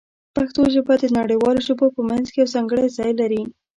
پښتو ژبه د نړیوالو ژبو په منځ کې یو ځانګړی ځای لري.